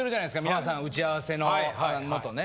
皆さん打ち合わせのもとね。